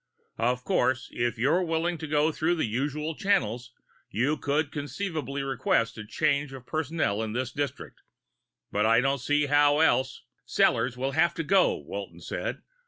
Of course, if you're willing to go through the usual channels, you could conceivably request a change of personnel in this district. But I don't see how else " "Sellors will have to go," Walton said.